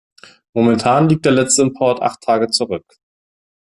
Momentan liegt der letzte Import acht Tage zurück.